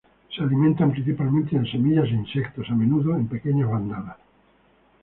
Se alimentan principalmente de semillas e insectos, a menudo en pequeñas bandadas.